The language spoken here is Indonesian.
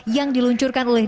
yang diluncurkan adalah